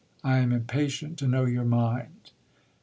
I am impatient to know your mind.